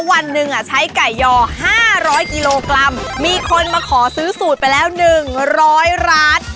วันหนึ่งอ่ะใช้ไก่ยอห้าร้อยกิโลกรัมมีคนมาขอซื้อสูตรไปแล้วหนึ่งร้อยร้าน